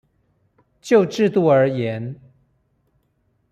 就制度而言